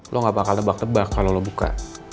lo gak bakal tebak tebak kalau lo buka